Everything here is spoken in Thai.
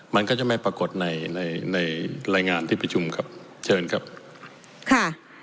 มันก็จะไม่ปรากฏในในรายงานที่ประชุมครับเชิญครับค่ะ